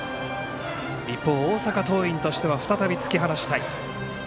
一方、大阪桐蔭としては再び突き放したい。